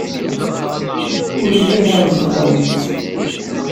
Ur lliɣ ɛejbeɣ-awent.